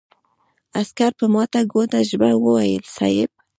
عسکر په ماته ګوډه ژبه وويل: صېب!